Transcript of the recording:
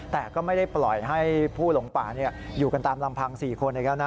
แต่ก็ไม่ได้ปล่อยให้ผู้หลงป่าอยู่กันตามลำพัง๔คนอีกแล้วนะ